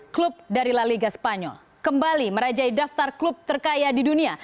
klub dari la liga spanyol kembali merajai daftar klub terkaya di dunia